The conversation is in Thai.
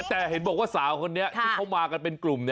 แต่เห็นบอกว่าสาวคนนี้ที่เขามากันเป็นกลุ่ม